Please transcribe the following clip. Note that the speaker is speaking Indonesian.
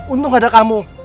untung ada kamu